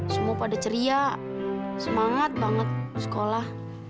semua pada ceria semangat banget sekolah